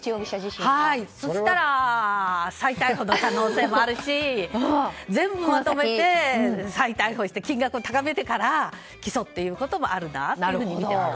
そうしたら再逮捕の可能性もあるし全部まとめて再逮捕して金額を高めてから起訴ということもあるなと。